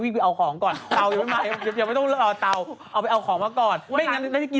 เดี๋ยวเราเข้าเดินมาเถอะเย็นมันยากดีไง